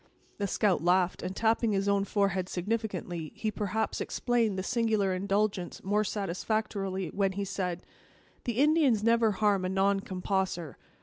The scout laughed, and, tapping his own forehead significantly, he perhaps explained the singular indulgence more satisfactorily when he said: "The Indians never harm a non composser.